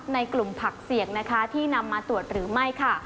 ในกลุ่มผักเสี่ยงนะคะที่นำมาตรวจหรือไม่ค่ะ